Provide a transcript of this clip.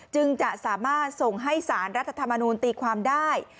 จึงจะสามารถส่งให้สารรัฐธรรมนูลตีความได้